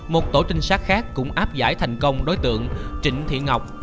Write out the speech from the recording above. một tổ trinh sát khác cũng áp giải thành công đối tượng trịnh thị ngọc